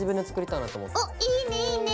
おっいいねいいね。